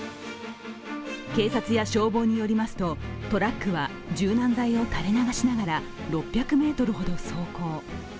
警察や消防によりますと、トラックは柔軟剤を垂れ流しながら６００ｍほど走行。